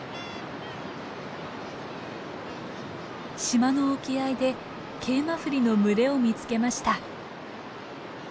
島の沖合でケイマフリの群れを見つけました。